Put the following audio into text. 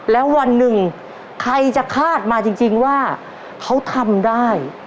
แล้ววันหนึ่งใครจะคาดมาจริงว่าเขาทำได้